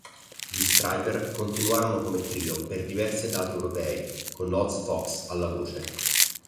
Gli Stryper continuarono come trio per diverse date europee con Oz Fox alla voce.